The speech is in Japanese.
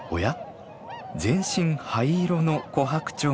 全身灰色のコハクチョウがいます。